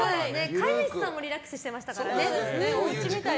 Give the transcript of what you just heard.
飼い主さんもリラックスしてましたからね。